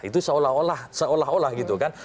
itu seolah olah seolah olah gitu kan